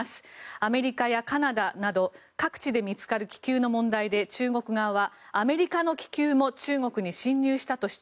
アメリカやカナダなど各地で見つかる気球の問題で中国側はアメリカの気球も中国に侵入したと主張。